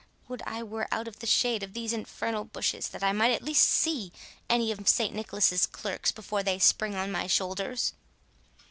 Would I were out of the shade of these infernal bushes, that I might at least see any of St Nicholas's clerks before they spring on my shoulders."